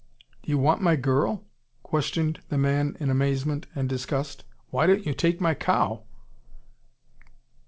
"Do you want my girl?" questioned the man in amazement and disgust. "Why don't you take my cow?"